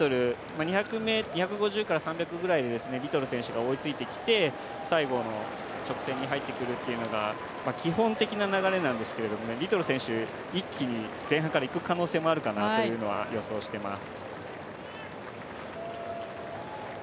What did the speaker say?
２５０から３００くらいでリトル選手が追いついてきて、最後の直線に入ってくるというのが基本的な流れなんですけどリトル選手、一気に前半からいく可能性もあるかなというのは予想しています。